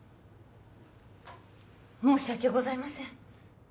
申し訳ございません